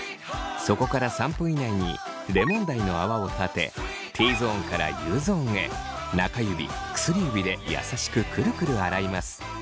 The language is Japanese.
そこから３分以内にレモン大の泡を立てＴゾーンからＵゾーンへ中指薬指で優しくくるくる洗います。